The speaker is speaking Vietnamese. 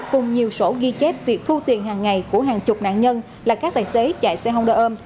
cùng nhiều sổ ghi chép việc thu tiền hàng ngày của hàng chục nạn nhân là các tài xế chạy xe hông đơ ôm